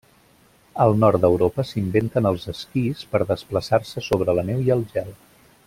Al nord d'Europa s'inventen els esquís per desplaçar-se sobre la neu i el gel.